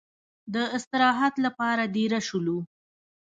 د استراحت لپاره دېره شولو.